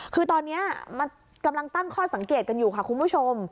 คือตอนนี้มันกำลังตั้งข้อสังเกตกันอยู่ค่ะคุณผู้ชม